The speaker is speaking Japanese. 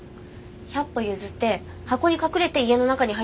百歩譲って箱に隠れて家の中に入ったとします。